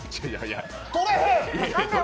取れへん！